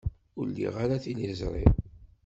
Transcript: Ur liɣ ara tiliẓri.